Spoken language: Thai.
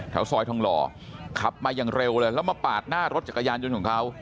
ซอยทองหล่อขับมาอย่างเร็วเลยแล้วมาปาดหน้ารถจักรยานยนต์ของเขา